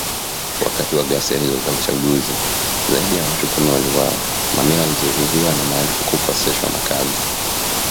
Wakati wa ghasia hizo za uchaguzi, zaidi ya watu kumi waliuawa, mamia walijeruhiwa na maelfu kukoseshwa makazi.